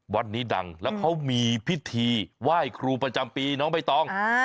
วัดนี้ดังแล้วเขามีพิธีไหว้ครูประจำปีน้องใบตอง